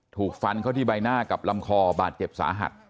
ถูกฟันเข้าที่ใบหน้ากับลำคอบาดเจ็บสาหัส